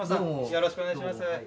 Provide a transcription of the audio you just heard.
よろしくお願いします。